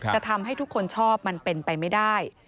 จะทำให้ทุกคนชอบมันเป็นไปไม่ได้